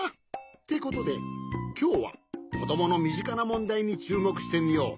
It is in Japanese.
ってことできょうはこどものみぢかなもんだいにちゅうもくしてみよう。